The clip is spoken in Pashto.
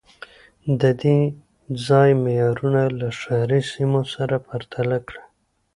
د دې ځای معیارونه له ښاري سیمو سره پرتله کړئ